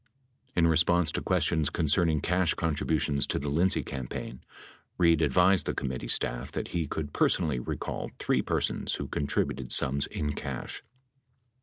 In response to questions concerning cash contributions to the Lindsay campaign, Reid advised the committee staff that he could personally recall three persons who contributed sums in cash.